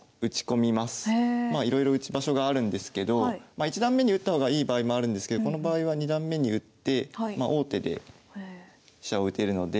まあいろいろ打ち場所があるんですけど一段目に打った方がいい場合もあるんですけどこの場合は二段目に打ってま王手で飛車を打てるので。